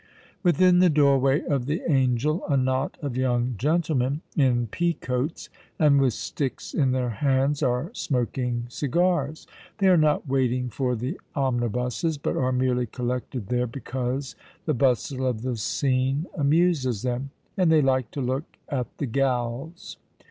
Within the door way of the Angel a knot of young gentlemen, in pea coats, and with sticks in their hands, are smoking cigars. They are not waiting for the omnibuses, but are merely collected there because the bustle of the scene amuses them, and they like to "look at the gals."